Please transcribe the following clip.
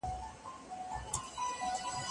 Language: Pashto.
چي په اغزیو د جنون دي نازولی یمه